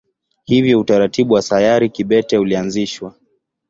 Hivyo utaratibu wa sayari kibete ulianzishwa.